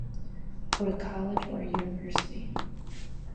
He did not go on to a college or university.